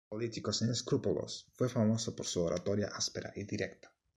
Político sin escrúpulos, fue famoso por su oratoria áspera y directa.